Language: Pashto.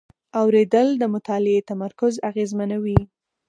اورېدل د مطالعې تمرکز اغېزمنوي.